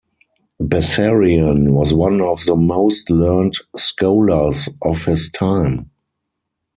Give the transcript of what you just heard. Bessarion was one of the most learned scholars of his time.